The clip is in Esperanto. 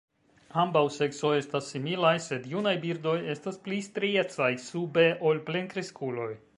Ambaŭ seksoj estas similaj, sed junaj birdoj estas pli striecaj sube ol plenkreskuloj.